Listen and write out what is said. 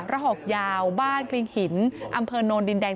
หอกยาวบ้านกลิงหินอำเภอโนนดินแดง